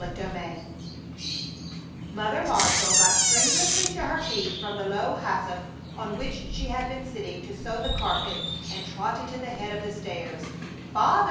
CHAPTER XIX Mother Marshall got strenuously to her feet from the low hassock on which she had been sitting to sew the carpet, and trotted to the head of the stairs. "Father!"